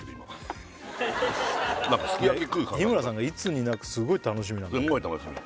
日村さんがいつになくすごい楽しみなんだよな